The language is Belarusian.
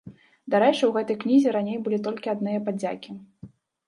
Дарэчы, у гэтай кнізе раней былі толькі адныя падзякі.